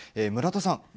村田さん